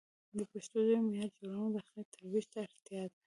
د پښتو ژبې معیار جوړونه او د هغې ترویج ته اړتیا ده.